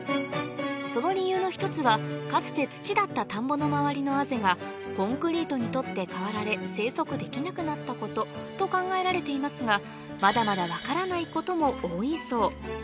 その理由の一つはかつて土だった田んぼの周りの畔がコンクリートに取って代わられ生息できなくなったことと考えられていますがまだまだ分からないことも多いそう